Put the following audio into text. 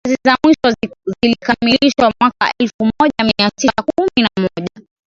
kazi za mwisho zilikamilishwa mwaka elfu moja mia tisa kumi na moja